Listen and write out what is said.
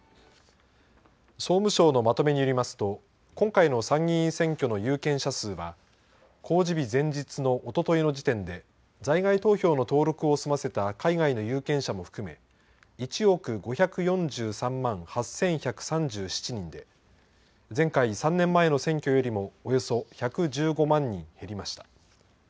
総務省のまとめによりますと今回の参議院選挙の有権者数は公示日前日のおとといの時点で在外投票の登録を済ませた海外の有権者も含め１億５４３万８１３７人で前回３年前の選挙よりもおよそ１１５万人減りました。